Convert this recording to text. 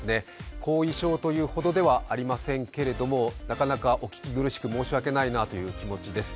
後遺症というほどではありませんけれどもなかなかお聞き苦しく申し訳ないなという気持ちです。